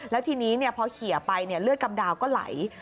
แล้วทีนี้พอเขียไปเลือดกำดาวก็ไหล